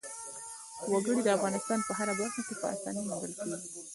وګړي د افغانستان په هره برخه کې په اسانۍ موندل کېږي.